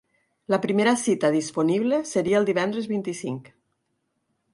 La primera cita disponible seria el divendres vint-i-cinc.